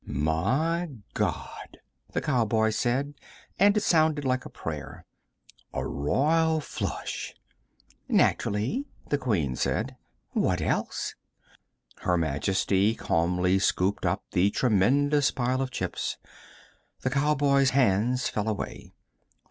"My God," the cowboy said, and it sounded like a prayer. "A royal flush." "Naturally," the Queen said. "What else?" Her Majesty calmly scooped up the tremendous pile of chips. The cowboy's hands fell away.